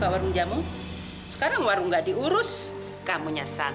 bagus dengan kamu